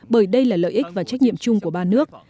bởi đây là lợi ích và trách nhiệm chung của ba nước